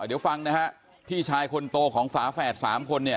เดี๋ยวฟังนะฮะพี่ชายคนโตของฝาแฝดสามคนเนี่ย